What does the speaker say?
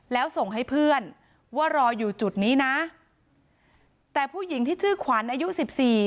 แล้วส่งให้เพื่อนว่ารออยู่จุดนี้นะแต่ผู้หญิงที่ชื่อขวัญอายุสิบสี่